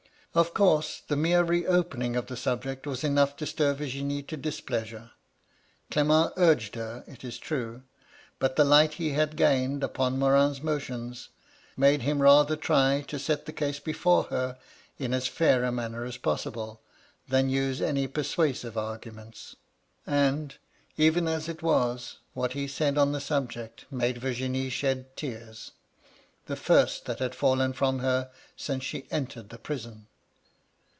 Of course, the mere reopening of the subject was enough to stir Virginie to displeasure. Clement urged her, it is true ; but the light he had gained upon Morin's motions, made him rather try to set the case before her in a» fair a manner as possible than use any persuasive arguments. And, even fi9. it. was, what he said on the subject made Virginie shed tears — the first that had fallen from her since she entered the prison.